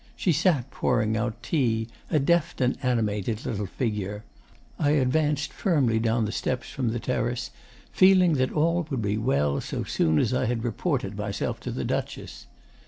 She sat pouring out tea, a deft and animated little figure. I advanced firmly down the steps from the terrace, feeling that all would be well so soon as I had reported myself to the Duchess.